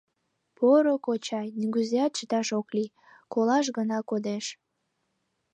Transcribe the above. Поро кочай, нигузеат чыташ ок лий, колаш гына кодеш.